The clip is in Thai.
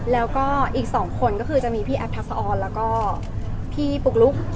แล้วก็อีก๒คนก็คือจะมีพี่แอฟทักษะออนแล้วก็พี่ปุ๊กลุ๊ก